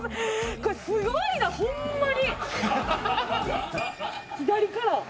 これすごいなホンマに！